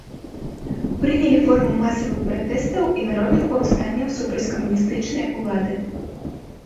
Прынялі форму масавых пратэстаў і народных паўстанняў супраць камуністычнай улады.